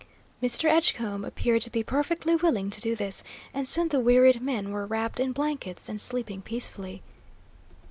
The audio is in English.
Mr. Edgecombe appeared to be perfectly willing to do this, and soon the wearied men were wrapped in blankets and sleeping peacefully.